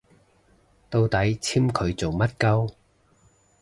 到底簽佢做乜 𨳊